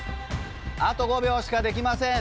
あと５秒しかできません。